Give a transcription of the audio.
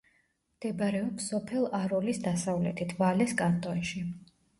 მდებარეობს სოფელ აროლის დასავლეთით, ვალეს კანტონში.